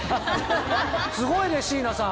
すごいね椎名さん。